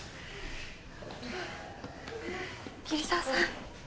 桐沢さん。